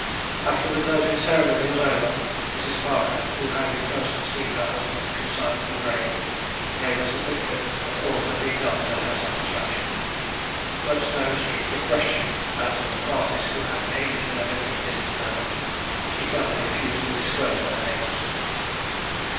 After the closing ceremony was over, Mrs. Parker, who had in person seen her husband consigned to the grave, gave a certificate that all had been done to her satisfaction. But, though strictly questioned as to the parties who had aided her in the disinterment, she firmly refused to disclose their names.